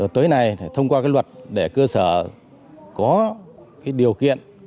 tới này thông qua cái luật để cơ sở có cái điều kiện